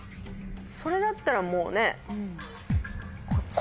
それだったらもうね。